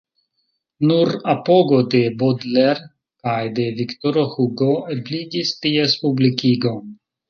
Nur apogo de Baudelaire kaj de Viktoro Hugo ebligis ties publikigon.